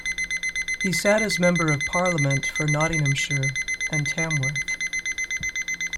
He sat as Member of Parliament for Nottinghamshire and Tamworth.